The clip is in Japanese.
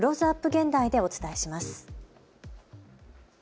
現代でお伝えします。